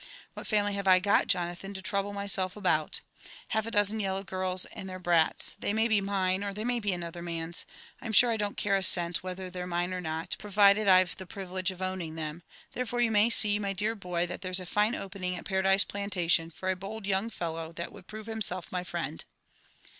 What family have I got, Jonathan, to trouble myself about? Half a dozen yellow girls and their bnte. They may be mise, or they may be another man's ; and I'm sure I don't care a cent whether they're mine or not, provided I've the pri* vilege of owning them : therefore you may see, my dear boy, that there's a fine opening at Paradise Plantation for a bold young Mow that would prove himself my friend."